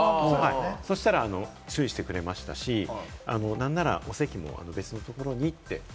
そうしたら注意してくれましたし、なんならお席も別のところにって。